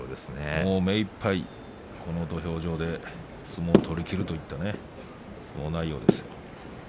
目いっぱいこの土俵上で相撲を取りきるといった相撲内容ですよ。